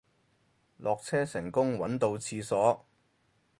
落車成功搵到廁所